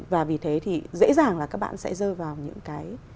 và vì thế thì dễ dàng là các bạn sẽ rơi vào những cái